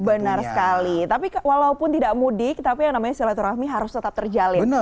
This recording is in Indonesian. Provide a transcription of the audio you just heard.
benar sekali tapi walaupun tidak mudik tapi yang namanya silaturahmi harus tetap terjalin